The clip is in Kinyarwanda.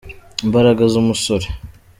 imbaraga z'umusore